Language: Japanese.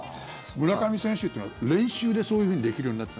村上選手というのは練習でそういうふうにできるようになった？